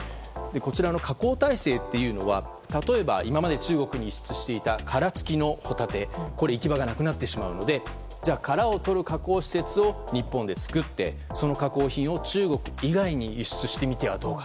加工体制というのは、例えば今まで中国に輸出していた殻付きホタテの行き場がなくなってしまうので殻を取る加工施設を日本で作ってその加工品を中国以外に輸出してみてはどうか。